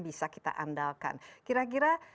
bisa kita andalkan kira kira